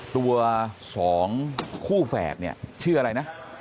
ตัว๒คู่แฝดเนี่ยชื่ออะไรนะ